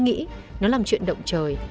nghĩ nó làm chuyện động trời